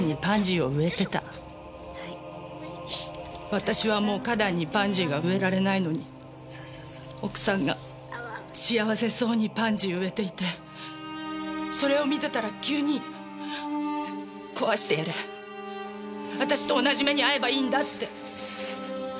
私はもう花壇にパンジーが植えられないのに奥さんが幸せそうにパンジーを植えていてそれを見てたら急に壊してやれ私と同じ目に遭えばいいんだって。